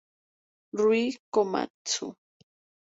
Rui Komatsu